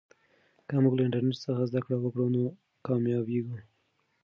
که موږ له انټرنیټ څخه زده کړه وکړو نو کامیابېږو.